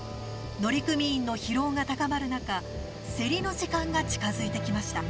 乗組員の疲労が高まる中セリの時間が近づいてきました。